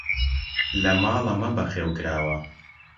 لە ماڵە مە بەخێو کراوە!